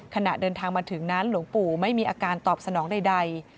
ขณะเดินทางมาถึงนั้นหลวงปู่ไม่มีอาการตอบสนองใด